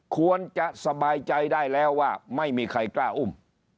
ควรจะสบายใจได้แล้วว่าไม่มีใครกล้าอุ้ม